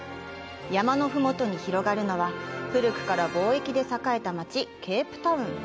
山の麓に広がるのは、古くから貿易で栄えた街、ケープタウン。